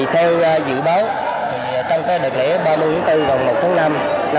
theo dự báo trong thời đợt lễ ba mươi bốn vòng một phút năm hai nghìn một mươi chín